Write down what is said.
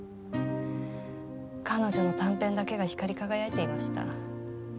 彼女の短編だけが光り輝いていました。